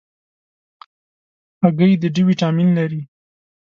هګۍ د D ویټامین لري.